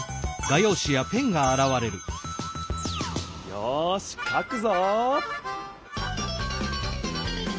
よしかくぞ！